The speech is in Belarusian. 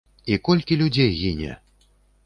І колькі людзей гіне!